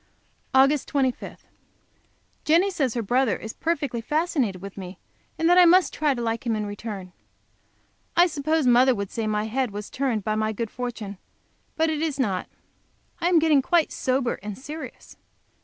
Aug. 25. Jenny says her brother is perfectly fascinated with me, and that I must try to like him in return. I suppose mother would say my head was turned by my good fortune, but it is not. I am getting quite sober and serious.